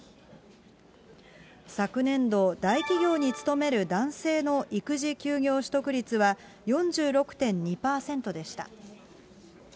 昨年度、大企業に勤める男性の育児休業取得率は４６．２％でした。